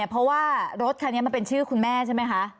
เพราะว่ารถคันนี้มันเป็นชื่อคุณแม่ใช่ไหมคะ